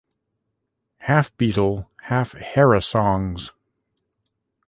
Half Beatle, half Harisongs.